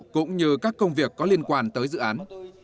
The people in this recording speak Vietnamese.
cũng như các công việc có liên quan tới dự án